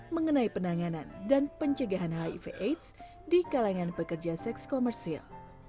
mengenai penanganan dan pencegahan hiv aids di kalangan pekerja seks komersil